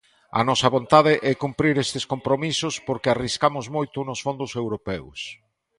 A nosa vontade é cumprir estes compromisos porque arriscamos moito nos fondos europeos.